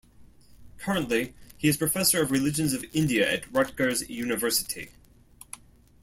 Currently, he is professor of religions of India at Rutgers University.